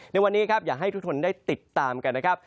ในวันนี้ครับอยากให้ทุกคนได้ติดตามกันนะครับ